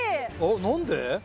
何で？